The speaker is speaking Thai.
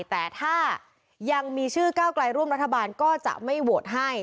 แต่ถ้ายังมีชื่อก้าวไกลร่วมรัฐบาลก็จะไม่โหวตให้